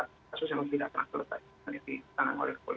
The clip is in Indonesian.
atau menyampaikan satu pemberitaan maka pemerintah sebaiknya mengatakan bahwa